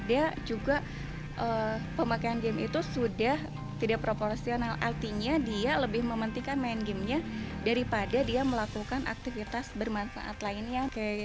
dia juga pemakaian game itu sudah tidak proporsional artinya dia lebih mementikan main gamenya daripada dia melakukan aktivitas bermanfaat lainnya